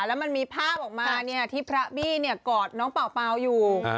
แล้วมันมีภาพออกมาที่พระบี้กอดน้องเปล่าอยู่